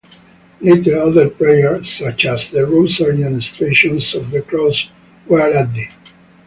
Later other prayers such as the rosary and stations of the cross were added.